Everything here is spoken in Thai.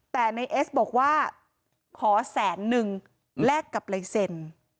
แต่ในเอสบอกว่าขอแสนนึงแลกกับลายเซ็น